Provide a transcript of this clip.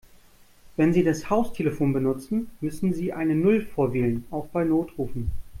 Wenn Sie das Haustelefon benutzen, müssen Sie eine Null vorwählen, auch bei Notrufen.